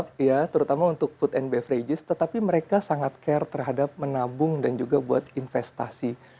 ya terutama untuk food and beverages tetapi mereka sangat care terhadap menabung dan juga buat investasi